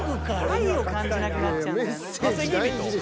愛を感じなくなっちゃうんだよな。